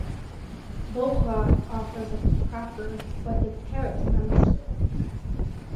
Beaupre offers a cracker, but the parrot demands two.